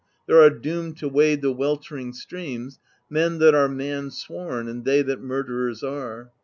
There are doomed to wade the weltering streams Men that are mans worn, and they that murderers are.